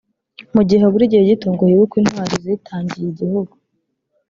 Mu gihe habura igihe gito ngo hibukwe intwari zitangiye igihugu